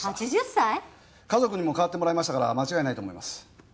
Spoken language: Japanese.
家族にも代わってもらいましたから間違いないと思います。